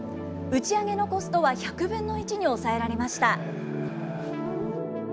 打ち上げのコストは１００分の１に抑えられました。